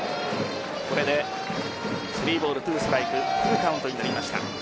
これで３ボール２ストライクフルカウントになりました。